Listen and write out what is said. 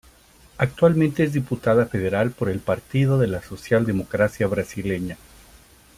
Actualmente es diputada federal por el Partido de la Social Democracia Brasileña.